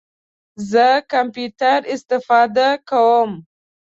زه کمپیوټر استفاده کوم